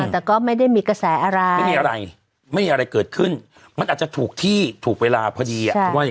แต่ก็ไม่มีก็แสอะไรไม่มีอะไรเกิดขึ้นมันอาจจะถูกที่ถูกเวลาพอดี